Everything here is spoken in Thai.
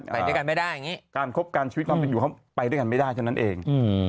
ไปด้วยกันไม่ได้ก็มีการครบกันชีวิตภาพของไปด้วยกันไม่ได้ฉะนั้นเอง